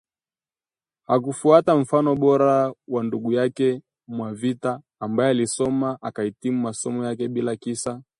Hakufuata mfano bora wa ndugu yake Mwavita ambaye alisoma akahitimu masomo yake bila kisa